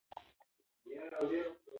د سیستان نوم له ساکستان څخه دی